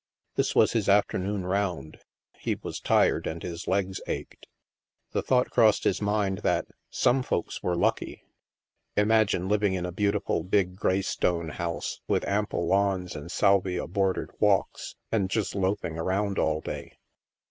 This was his afternoon round; he was tired, and his legs ached. The thought crossed his mind that "some folks were lucky." Imagine living in a beautiful big gray stone house, with ample lawns and salvia bordered walks, and just loafing around all day.